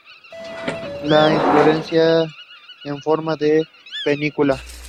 La inflorescencia en forma de panícula.